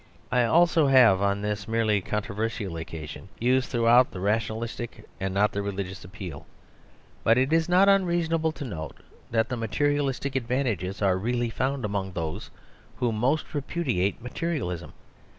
I also have, on this merely controversial occasion, used throughout the rationalistic and not the religious appeal. But it is not unreasonable to note that the materi alistic advantages are really found among those who most repudiate materialism.